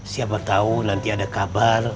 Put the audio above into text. siapa tahu nanti ada kabar